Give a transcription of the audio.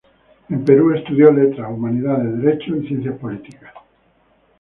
En Perú estudió Letras, Humanidades, Derecho, Ciencias Políticas.